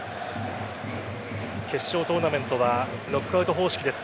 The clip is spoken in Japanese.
決勝トーナメントはノックアウト方式です。